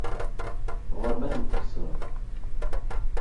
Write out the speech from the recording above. Ɣur-m ad ten-tekseḍ.